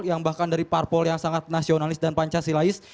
yang bahkan dari parpol yang sangat nasionalis dan pancasilais